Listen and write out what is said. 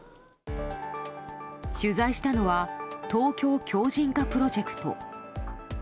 取材したのはＴＯＫＹＯ強靭化プロジェクト。